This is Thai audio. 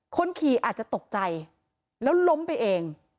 คนขี่อาจจะตกใจแล้วล้มไปเอง